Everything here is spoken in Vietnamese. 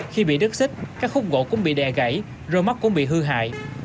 khi bị đứt xích các khúc gỗ cũng bị đè gãy rô móc cũng bị hư hại